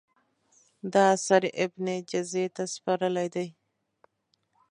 دا اثر یې ابن جزي ته سپارلی دی.